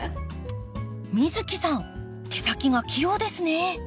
美月さん手先が器用ですね。